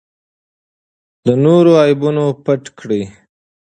د نورو عیبونه پټ کړئ.